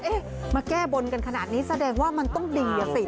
มาแก้บนกันขนาดนี้แสดงว่ามันต้องดีอ่ะสิ